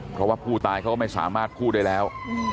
เพราะว่าผู้ตายเขาก็ไม่สามารถพูดได้แล้ว